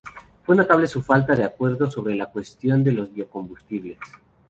Fue notable la falta de acuerdo sobre la cuestión de los biocombustibles.